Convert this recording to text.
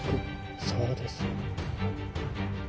そうです。